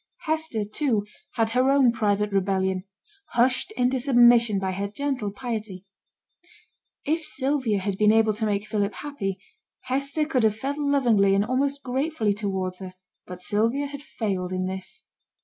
Hester, too, had her own private rebellion hushed into submission by her gentle piety. If Sylvia had been able to make Philip happy, Hester could have felt lovingly and almost gratefully towards her; but Sylvia had failed in this.